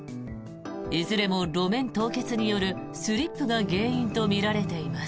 いずれも路面凍結によるスリップが原因とみられています。